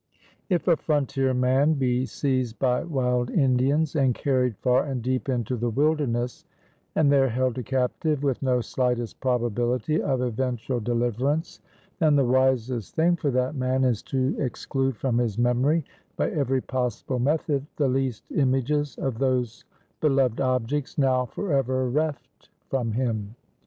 If a frontier man be seized by wild Indians, and carried far and deep into the wilderness, and there held a captive, with no slightest probability of eventual deliverance; then the wisest thing for that man is to exclude from his memory by every possible method, the least images of those beloved objects now forever reft from him.